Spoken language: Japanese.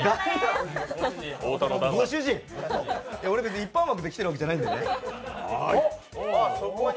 俺、別に一般枠で来ているわけじゃないんでね。